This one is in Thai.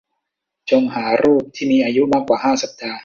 จงหารูปที่มีอายุมากกว่าห้าสัปดาห์